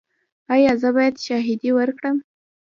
ایا زه باید شاهدي ورکړم؟